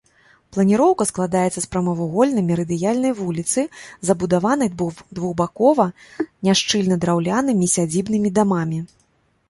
Планіроўка складаецца з прамавугольнай мерыдыянальнай вуліцы, забудаванай двухбакова, няшчыльна драўлянымі сядзібнымі дамамі.